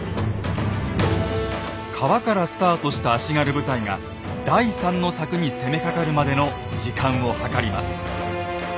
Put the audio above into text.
川からスタートした足軽部隊が第３の柵に攻めかかるまでの時間を計ります。